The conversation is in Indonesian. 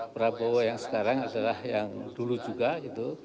prabowo yang sekarang adalah yang dulu juga gitu